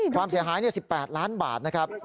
ความเสียหาย๑๘ล้านบาทนะครับ